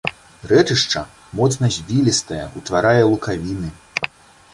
Рэчышча моцна звілістае, утварае лукавіны.